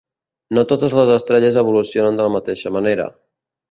No totes les estrelles evolucionen de la mateixa manera.